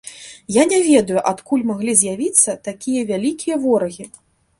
Я не ведаю, адкуль маглі з'явіцца такія вялікія ворагі.